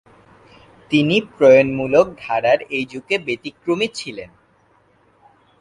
তিনি প্রণয়মূলক ধারার এই যুগে ব্যতিক্রমী ছিলেন।